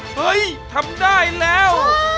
เฮ้ยทำได้แล้ว